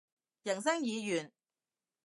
人生已完